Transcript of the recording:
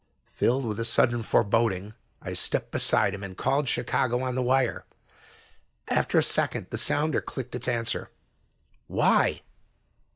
Filled with a sudden foreboding, I stepped beside him and called Chicago on the wire. After a second the sounder clicked its answer. Why?